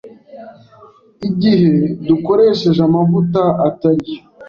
igihe dukoresheje amavuta atariyo